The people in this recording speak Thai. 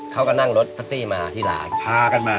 เขาก็นั่งรถตั๊กตี้มาขายบ้างพากันมา